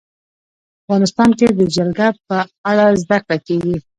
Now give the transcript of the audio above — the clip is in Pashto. افغانستان کې د جلګه په اړه زده کړه کېږي.